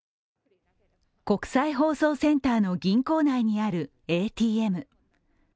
国際放送センターの銀行内にあるＡＴＭ。